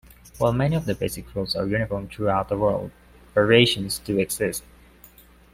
While many of the basic rules are uniform throughout the world, variations do exist.